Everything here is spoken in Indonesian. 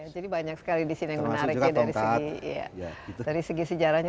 jadi banyak sekali di sini yang menarik dari segi sejarahnya